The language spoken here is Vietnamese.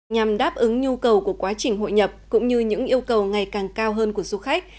nhằm đáp ứng nhu cầu của quá trình hội nhập cũng như những yêu cầu ngày càng cao hơn của du khách